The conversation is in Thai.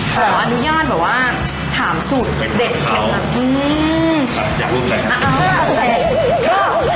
ขออนุญาตแบบว่าถามสูตรเด็ดแข็งกันอืมอยากร่วมกันค่ะ